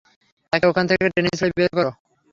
তাকে ওখান থেকে টেনে হিঁচড়ে বের করো।